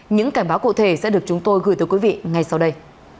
những cảnh báo cụ thể sẽ được chúng tôi gửi tới quý vị ngay sau đây